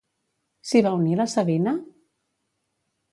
S'hi va unir la Sabina?